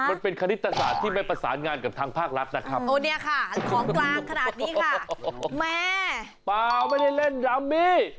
มันเป็นคณิตศาสตร์ที่ไม่ประสานงานกับทางภาครัฐนะครับ